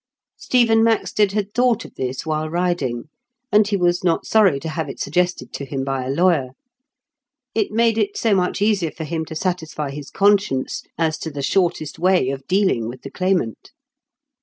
Stephen Maxted had thought of this while riding, and he was not sorry to have it suggested to him by a lawyer. It made it so much easier for him to satisfy his conscience as to the shortest way of dealing with the claimant.